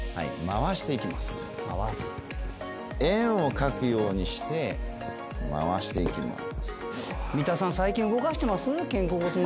円を描くようにして回していきます。